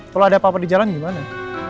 kalau ada apa apa di jalan gimana